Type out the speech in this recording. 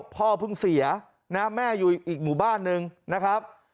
พ่อเพิ่งเสียนะแม่อยู่อีกหมู่บ้านหนึ่งนะครับ